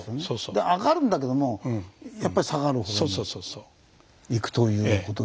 で上がるんだけどもやっぱり下がるほうにいくということですよね。